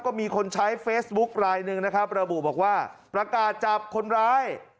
ก็มีคนใช้เฟซบุ๊คลายหนึ่งนะครับระบุบอกว่าประกาศจับคนร้าย